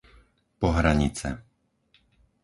Pohranice